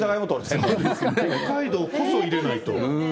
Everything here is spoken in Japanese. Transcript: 北海道こそ入れないと。